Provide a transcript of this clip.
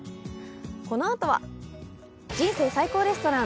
このあとは「人生最高レストラン」。